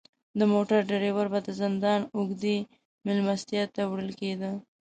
د موټر دریور به د زندان اوږدې میلمستیا ته وړل کیده.